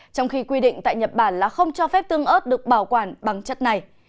trong khi quy định tại nhật bản là không cho phép tương ớt được bảo quản bằng chất này